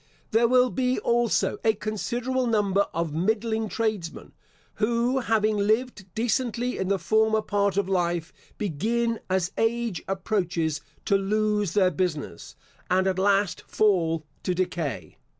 There will be also a considerable number of middling tradesmen, who having lived decently in the former part of life, begin, as age approaches, to lose their business, and at last fall to decay.